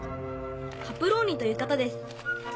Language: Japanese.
カプローニという方です。